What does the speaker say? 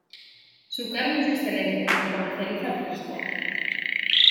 Su carne es excelente y se comercializa fresco.